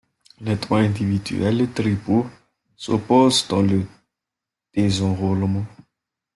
Les droits individuels et tribaux s’opposent dans le désenrôlement.